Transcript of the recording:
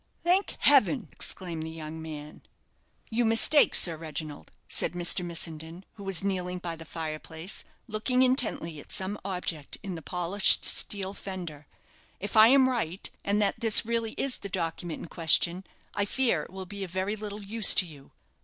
"Thank Heaven!" exclaimed the young man. "You mistake, Sir Reginald," said Mr. Missenden, who was kneeling by the fire place, looking intently at some object in the polished steel fender; "if I am right, and that this really is the document in question, I fear it will be of very little use to you."